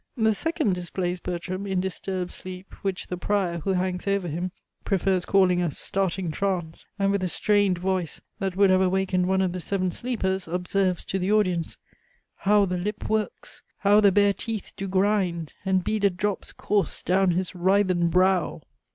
The second displays Bertram in disturbed sleep, which the Prior, who hangs over him, prefers calling a "starting trance," and with a strained voice, that would have awakened one of the seven sleepers, observes to the audience "How the lip works! How the bare teeth do grind! And beaded drops course down his writhen brow!"